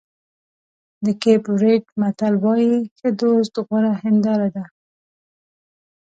د کېپ ورېډ متل وایي ښه دوست غوره هنداره ده.